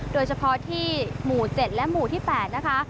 โดยเฉพาะที่หมู่๗และหมู่ที่๘นะคะ